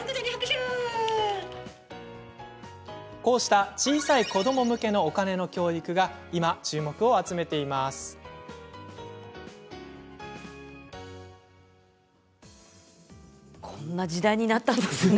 こうした小さい子ども向けのお金の教育が今、注目を集めているんです。